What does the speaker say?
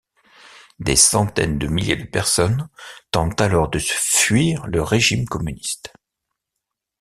Des centaines de milliers de personnes tentent alors de fuir le régime communiste.